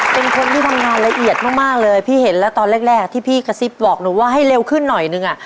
เป็นคนที่ทำงานละเอียดมากเลยพี่เห็นแล้วตอนแรกที่พี่กระซิบบอกหนูว่าให้เร็วขึ้นหน่อยนึงอ่ะ